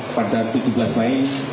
pada tujuh belas mei